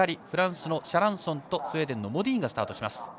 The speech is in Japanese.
フランスのシャランソンとスウェーデンのモディーンがスタートします。